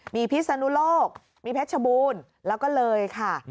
มีพิศนุโลกมีเพชรบูรณ์แล้วก็เลยค่ะ